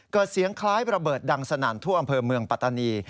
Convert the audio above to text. เกิดเสียงคล้ายระเบิดดังสนั่นทั่วอำเภอเมืองปัตตานี